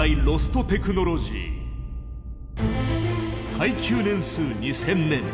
耐久年数２０００年。